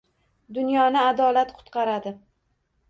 Dunyoni adolat qutqaradi